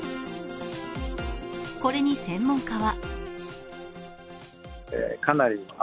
これに専門家は。